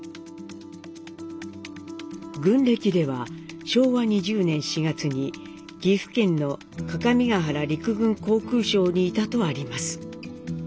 軍歴では昭和２０年４月に岐阜県の各務原陸軍航空廠にいたとあります。